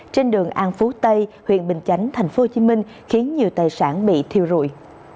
trên đường an phú tây huyện bình chánh tp hcm khiến nhiều tài sản bị thiêu rụi